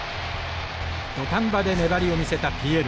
土壇場で粘りを見せたＰＬ。